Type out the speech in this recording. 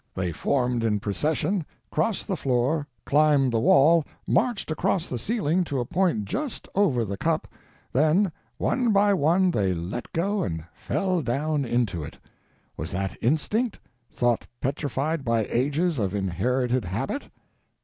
They formed in procession, cross the floor, climbed the wall, marched across the ceiling to a point just over the cup, then one by one they let go and fell down into it! Was that instinct—thought petrified by ages of inherited habit?